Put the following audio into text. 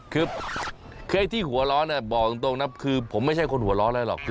คือไอ้ที่หัวร้อนบอกตรงนะคือผมไม่ใช่คนหัวร้อนอะไรหรอก